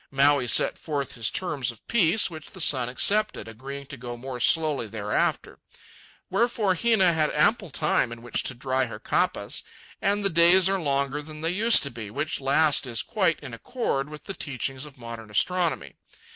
Maui set forth his terms of peace, which the sun accepted, agreeing to go more slowly thereafter. Wherefore Hina had ample time in which to dry her kapas, and the days are longer than they used to be, which last is quite in accord with the teachings of modern astronomy.